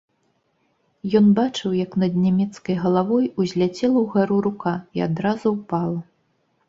Ён бачыў, як над нямецкай галавой узляцела ўгару рука і адразу ўпала.